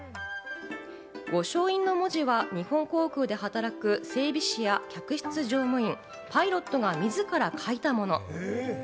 御翔印の文字は、日本航空で働く整備士や客室乗務員、パイロットが自ら書いたもの。